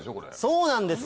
そうなんですよ。